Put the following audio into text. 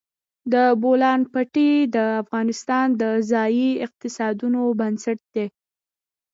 د بولان پټي د افغانستان د ځایي اقتصادونو بنسټ دی.